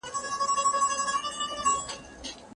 د عمر فاروق رضي الله عنه د لور عاصية نوم په جميله بدل سو.